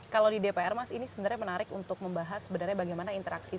kalau di dpr mas ini sebenarnya menarik untuk membahas sebenarnya bagaimana interaksi